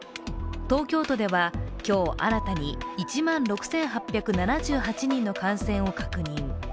東京都では今日、新たに１万６８７８人の感染を確認。